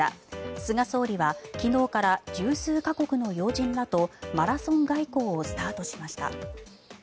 菅総理は昨日から１０数か国の要人らとマラソン外交をスタートしました。